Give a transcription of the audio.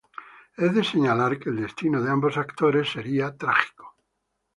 Es de señalar que el destino de ambos actores sería trágico.